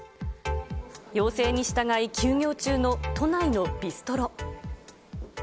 要請に従い休業中の都内のビストロ。